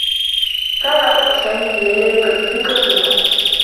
كان حبّ سامي لليلى يكلّفه كثيرا.